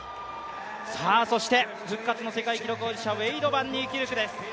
そして、復活の世界記録保持者ウェイド・バンニーキルクです。